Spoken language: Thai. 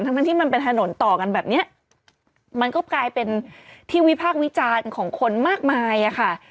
ทั้งทั้งที่มันเป็นถนนต่อกันแบบเนี้ยมันก็กลายเป็นที่วิพากษ์วิจารณ์ของคนมากมายอะค่ะ